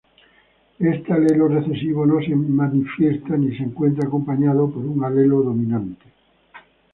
Este alelo recesivo no se manifiesta si se encuentra acompañado por un alelo dominante.